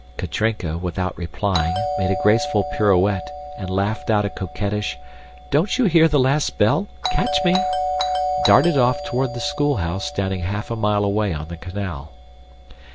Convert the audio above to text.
Katrinka, without replying, made a graceful pirouette and laughing out a coquettish, "Don't you hear the last bell? Catch me!" darted off toward the schoolhouse standing half a mile away on the canal.